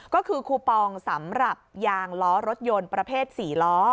ก็คือคูปองสำหรับยางล้อรถยนต์ประเภท๔ล้อ